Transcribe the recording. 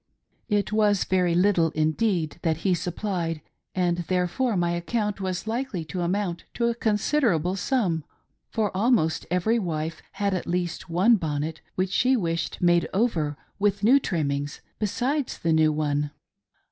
It was very little indeed that he supplied, and therefore my account was likely to amount to a considerable sum, for almost every wife had at least one bonnet which she wished made over with new trimmings, besides the new one.